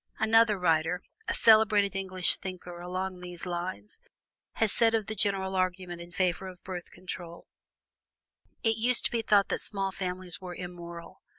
'" Another writer, a celebrated English thinker along these lines, has said of the general argument in favor of Birth Control: "It used to be thought that small families were immoral.